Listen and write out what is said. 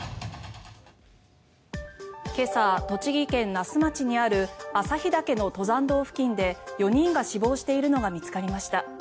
今朝、栃木県那須町にある朝日岳の登山道付近で４人が死亡しているのが見つかりました。